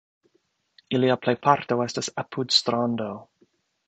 Ilia plejparto estas apud strando.